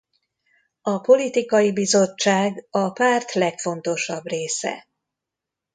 A Politikai Bizottság a párt legfontosabb része.